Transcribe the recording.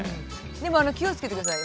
でも気をつけてください。